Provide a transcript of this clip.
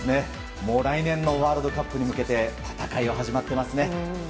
来年のワールドカップに向けて戦いは始まっていますね。